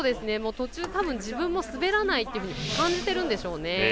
途中、たぶん自分も滑らないって感じているんでしょうね。